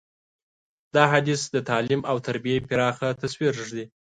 دا حدیث د تعلیم او تربیې پراخه تصویر ږدي.